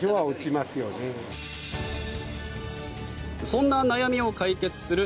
そんな悩みを解決する